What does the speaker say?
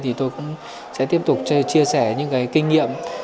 thì tôi cũng sẽ tiếp tục chia sẻ những cái kinh nghiệm